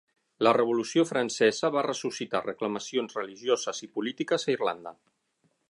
La Revolució Francesa va ressuscitar reclamacions religioses i polítiques a Irlanda.